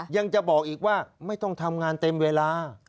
ยังจะบอกอีกว่าไม่ต้องทำงานเต็มเวลา